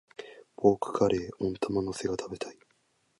ポークカレー、温玉乗せが食べたい。